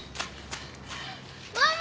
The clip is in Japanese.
ママ！